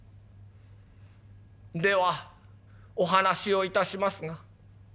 「ではお話を致しますが。